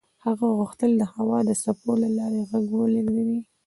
هغه غوښتل د هوا د څپو له لارې غږ ولېږدوي.